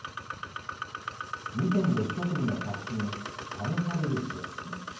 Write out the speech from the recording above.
２点でひと組の作品、ためさるゝ日です。